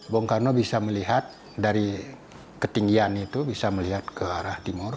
bung karno bisa melihat dari ketinggian itu bisa melihat ke arah timur